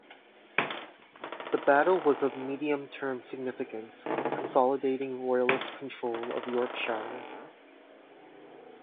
The battle was of medium term significance, consolidating Royalist control of Yorkshire.